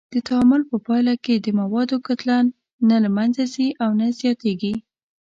د تعامل په پایله کې د موادو کتله نه منځه ځي او نه زیاتیږي.